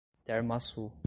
Termoaçu